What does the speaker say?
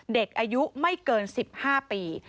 เด็กอายุไม่เกิน๑๕ปี